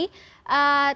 tanggapan dari pak arsul